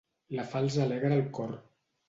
La falç alegra el cor.